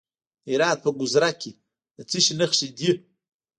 د هرات په ګذره کې د څه شي نښې دي؟